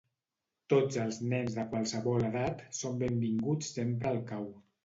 Tots els nens de qualsevol edat són benvinguts sempre al cau.